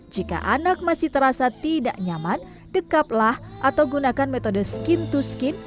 jika anak masih terasa tidak nyaman dekaplah atau gunakan metode skin to skin